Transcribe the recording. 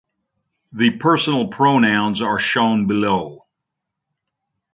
The personal pronouns are shown below.